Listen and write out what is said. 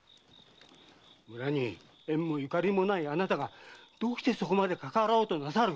村に縁もゆかりもないあなたがどうしてそこまでかかわろうとなさる？